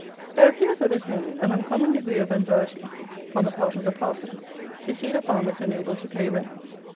There appears at this moment an uncommon degree of anxiety on the part of the parsons to see the farmers enabled to pay rents.